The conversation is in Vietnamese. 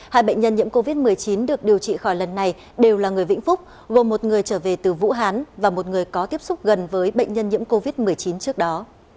hai bệnh nhân nhiễm covid một mươi chín được điều trị khỏi lần này đều là người vĩnh phúc gồm một người trở về từ vũ hán và một người có tiếp xúc gần với bệnh nhân nhiễm covid một mươi chín trước đó